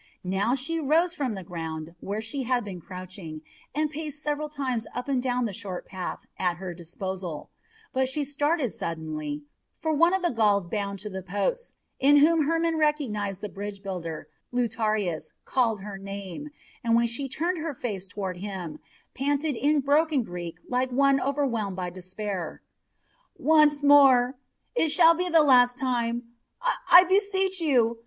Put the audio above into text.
Now she rose from the ground where she had been crouching and paced several times up and down the short path at her disposal; but she started suddenly, for one of the Gauls bound to the posts, in whom Hermon recognised the bridge builder, Lutarius, called her name, and when she turned her face toward him, panted in broken Greek like one overwhelmed by despair: "Once more it shall be the last time I beseech you!